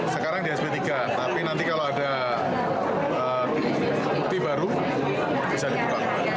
sekarang di sp tiga tapi nanti kalau ada bukti baru bisa dibuka